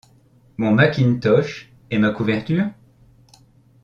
Mon mackintosh et ma couverture ?